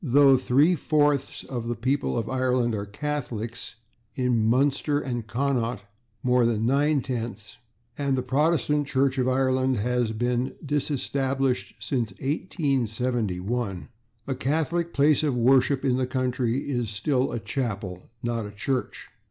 Though three fourths of the people of Ireland are Catholics (in Munster and Connaught, more than nine tenths), and the Protestant Church of Ireland has been disestablished since 1871, a Catholic place of worship in the country is still a /chapel/ and not a /church